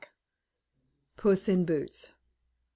PUSS IN BOOTS.